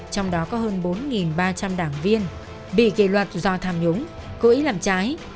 trong đó có hơn bốn ba trăm linh đảng viên bị kỷ luật do tham nhũng cố ý làm trái